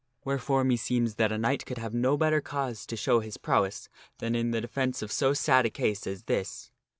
Wherefore meseems that a knight could have no better cause to show his prowess than in the defence of so sad a case as this."